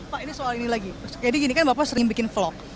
pak ini soal ini lagi jadi gini kan bapak sering bikin vlog